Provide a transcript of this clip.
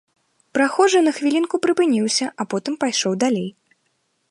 Прахожы на хвілінку прыпыніўся, а потым пайшоў далей.